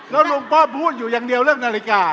แล้วหลวงพ่อพูดอยู่อย่างเดียวเรื่องนาฬิกา